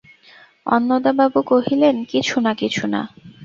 অন্নদাবাবু কহিলেন, কিছু না, কিছু না।